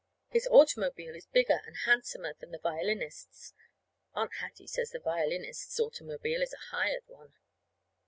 His automobile is bigger and handsomer than the violinist's. (Aunt Hattie says the violinist's automobile is a hired one.)